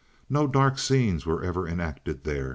No dark scenes were ever enacted there.